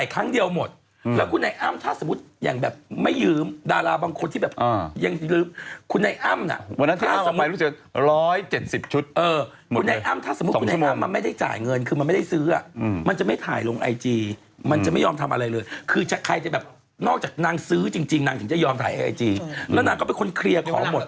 แต่ในนี้ความสัญญามันไม่มี